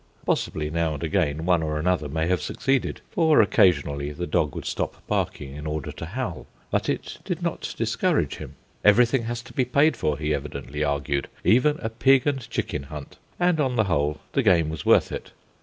Possibly, now and again, one or another may have succeeded, for occasionally the dog would stop barking in order to howl. But it did not discourage him. Everything has to be paid for, he evidently argued, even a pig and chicken hunt; and, on the whole, the game was worth it.